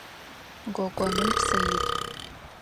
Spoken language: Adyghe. Гогоным псы ит.